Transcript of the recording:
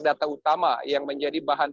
data utama yang menjadi bahan